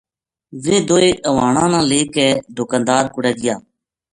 ویہ دوئے ہوانو لے کے دکاندار کوڑے گیا